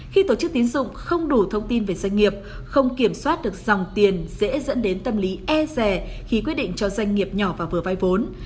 khi tổ chức tín dụng không đủ thông tin về doanh nghiệp không kiểm soát được dòng tiền dễ dẫn đến tâm lý e rè khi quyết định cho doanh nghiệp nhỏ và vừa vay vốn